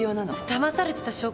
だまされてた証拠って？